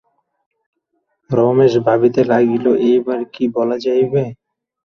রমেশ ভাবিতে লাগিল এইবার কী বলা যাইবে।